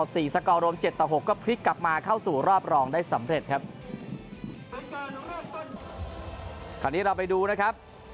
๕๔สกรม๗๖ก็พลิกกลับมาเข้าสู่รอบรองได้สำเร็จครับ